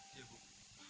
iya bu mungkin boleh